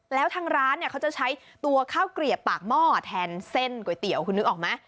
แล้วทางร้านคือใช้ตัวข้าวกรีบปากหม้อแถนเส้นก๋วยเตี๋ยวคุณนึกออกมั้ย